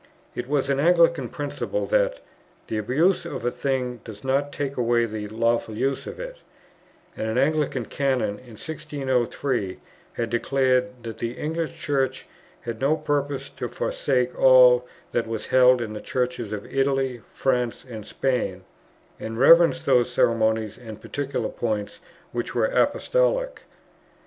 It was an Anglican principle that "the abuse of a thing doth not take away the lawful use of it;" and an Anglican Canon in 1603 had declared that the English Church had no purpose to forsake all that was held in the Churches of Italy, France, and Spain, and reverenced those ceremonies and particular points which were Apostolic.